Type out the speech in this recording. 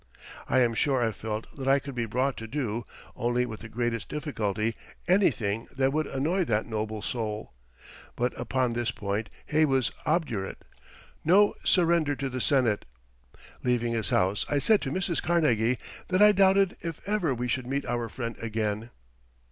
I am sure I felt that I could be brought to do, only with the greatest difficulty, anything that would annoy that noble soul. But upon this point Hay was obdurate; no surrender to the Senate. Leaving his house I said to Mrs. Carnegie that I doubted if ever we should meet our friend again.